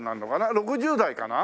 ６０代かな？